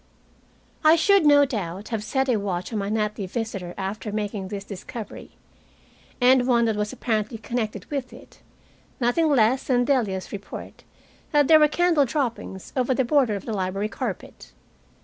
I should, no doubt, have set a watch on my nightly visitor after making this discovery and one that was apparently connected with it nothing less than Delia's report that there were candle droppings over the border of the library carpet.